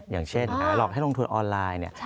อย่างเช่นหลอกให้ลงทุนออนไลน์เนี่ย